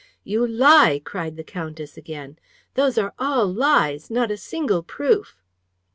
"You lie!" cried the countess, again. "Those are all lies! Not a single proof!